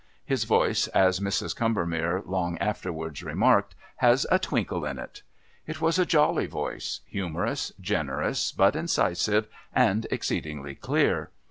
His voice, as Mrs. Combermere long afterwards remarked, "has a twinkle in it." It was a jolly voice, humorous, generous but incisive, and exceedingly clear.